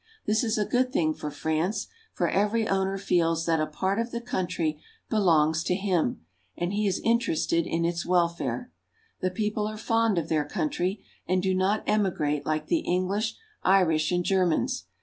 This is a good thing for France, for every owner feels that a part of the country belongs to him, and he is interested in its welfare. The people are fond of their country, and do not emigrate like the English, Irish, and Germans.